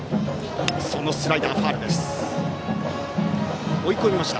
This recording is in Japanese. そのスライダーはファウルです。